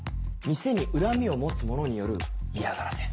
店に恨みを持つ者による嫌がらせ。